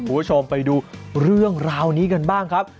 คุณผู้ชมไปดูเรื่องราวนี้กันบ้างครับ